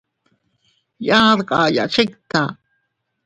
Yaa dkayya chikta.